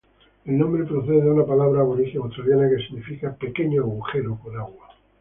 El nombre procede de una palabra aborigen australiana que significa "pequeño agujero con agua".